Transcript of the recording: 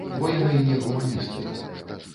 Бо яны не гуманісты.